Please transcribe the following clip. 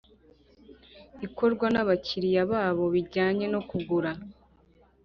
Ibikorwa n abakiriya babo bijyanye no kugura